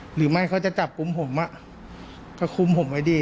หรือไม่เขาจะจับกลุ่มผมก็คุมผมไว้ดิ